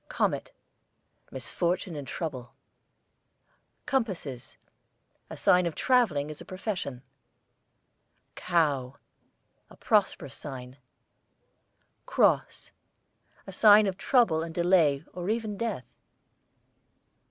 COMET, misfortune and trouble. COMPASSES, a sign of travelling as a profession. COW, a prosperous sign. CROSS, a sign of trouble and delay or even death.